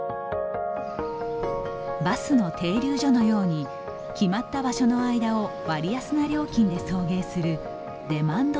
バスの停留所のように決まった場所の間を割安な料金で送迎するデマンド